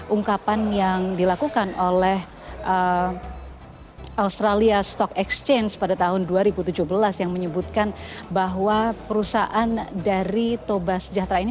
ungkapan yang dilakukan oleh australia stock exchange pada tahun dua ribu tujuh belas yang menyebutkan bahwa perusahaan dari toba sejahtera ini